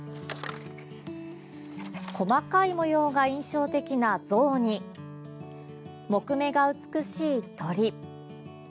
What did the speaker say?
細かい模様が印象的なゾウに木目が美しい鳥。